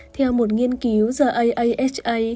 theo một nghiên cứu the aha